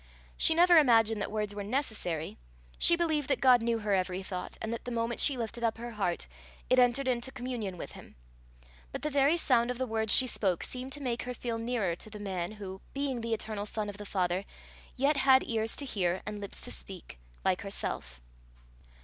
She never imagined that words were necessary; she believed that God knew her every thought, and that the moment she lifted up her heart, it entered into communion with him; but the very sound of the words she spoke seemed to make her feel nearer to the man who, being the eternal Son of the Father, yet had ears to hear and lips to speak, like herself.